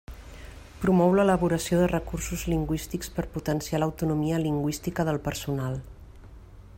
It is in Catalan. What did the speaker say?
Promou l'elaboració de recursos lingüístics per potenciar l'autonomia lingüística del personal.